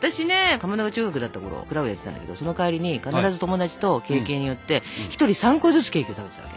かまどが中学だったころクラブやってたんだけどその帰りに必ず友達とケーキ屋に寄って１人３個ずつケーキを食べてたわけ。